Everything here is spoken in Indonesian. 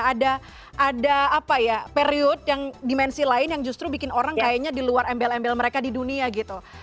ada apa ya period yang dimensi lain yang justru bikin orang kayaknya di luar embel embel mereka di dunia gitu